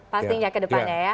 pasti nggak kedepannya ya